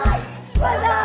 バンザーイ！